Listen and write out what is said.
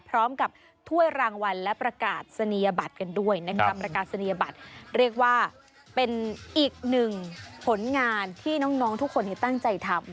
ถ้วยรางวัลและประกาศนียบัตรกันด้วยนะครับประกาศนียบัตรเรียกว่าเป็นอีกหนึ่งผลงานที่น้องทุกคนตั้งใจทำ